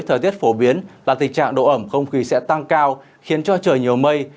thời tiết phổ biến là tình trạng độ ẩm không khí sẽ tăng cao khiến cho trời nhiều mây